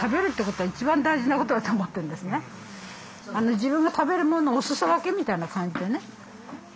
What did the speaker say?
自分が食べるものをおすそ分けみたいな感じでね。